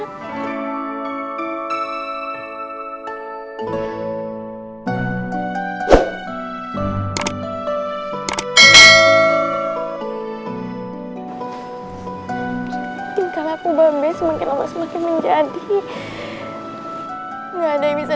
hai tinggal aku babes semakin lama semakin menjadi nggak ada yang bisa